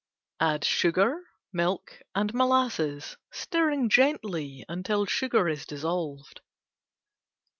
Add sugar, milk and molasses, stirring gently until sugar is dissolved.